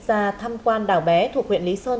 ra thăm quan đảo bé thuộc huyện lý sơn